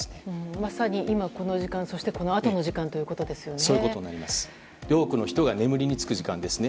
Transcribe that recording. まさに今、この時間そして、このあとの時間ですね。